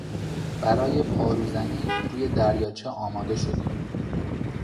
برای پاروزنی روی دریاچه آماده شدیم.